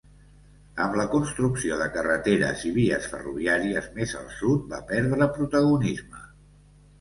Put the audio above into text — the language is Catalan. Amb la construcció de carreteres i vies ferroviàries més al sud va perdre protagonisme.